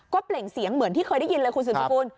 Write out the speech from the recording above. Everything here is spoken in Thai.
ก็เปล่งเสียงเหมือนที่เคยได้ยินเลยคุณสืบสกุล